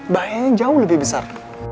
bahayanya jauh lebih besar